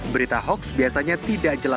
berita hoax biasanya tidak jelas